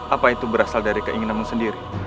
apa itu berasal dari keinginanmu sendiri